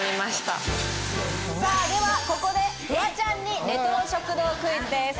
では、ここでフワちゃんにレトロ食堂クイズです。